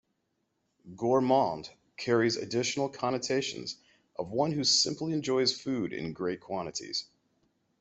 "Gourmand" carries additional connotations of one who simply enjoys food in great quantities.